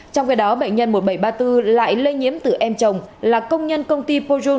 trong khi đó bệnh nhân một nghìn bảy trăm ba mươi bốn lại lây nhiễm từ em chồng là công nhân công ty poyun tại trí linh